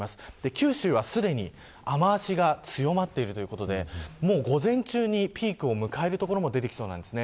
九州はすでに雨脚が強まっているということで午前中にピークを迎える所も出てきそうです。